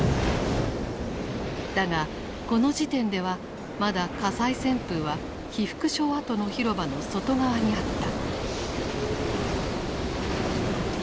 だがこの時点ではまだ火災旋風は被服廠跡の広場の外側にあった。